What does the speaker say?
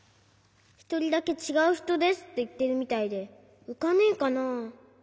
ひとりだけちがうひとですっていってるみたいでうかねえかな？